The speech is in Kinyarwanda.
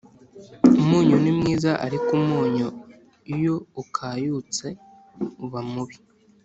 Umunyu ni mwiza ariko umunyu iyo ukayutse uba mubi